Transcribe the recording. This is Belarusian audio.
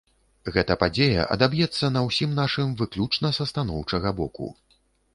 Гэта падзея адаб'ецца на ўсім нашым выключна са станоўчага боку.